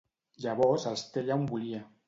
Llavors els té allà on volia.